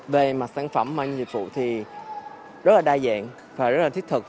về mặt sản phẩm mọi người dịch vụ thì rất là đa dạng và rất là thiết thực